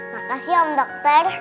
makasih om dokter